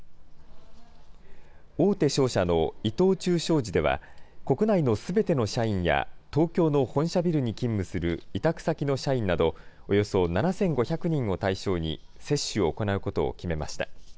大手商社の伊藤忠商事では、国内のすべての社員や、東京の本社ビルに勤務する委託先の社員など、およそ７５００人を対象に、接種を行うことを決めました。